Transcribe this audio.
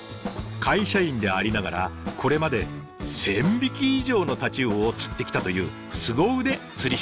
会社員でありながらこれまで１，０００匹以上のタチウオを釣ってきたというすご腕釣り師です。